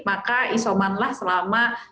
maka isomanlah selama